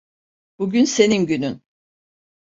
Bugün senin günün.